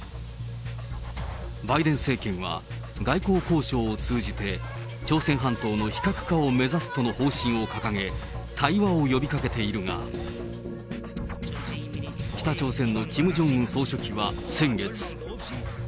バイデン政権は、外交交渉を通じて、朝鮮半島の非核化を目指すとの方針を掲げ、対話を呼びかけているが、北朝鮮のキム・ジョンウン総書記は先月。